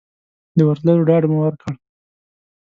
د ورتلو ډاډ مو ورکړ.